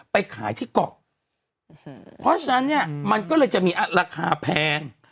ไปขายที่เกาะเพราะฉะนั้นเนี่ยมันก็เลยจะมีราคาแพง